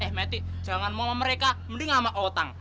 eh meti jangan mau sama mereka mending sama otang